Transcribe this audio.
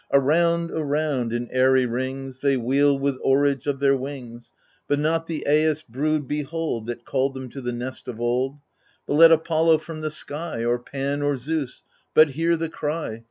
Around, around, in airy rings. They wheel with oarage of their wings, But not the eyas brood behold. That called them to the nest of old ; But let Apollo from the sky. Or Pan, or Zeus, but hear the cry.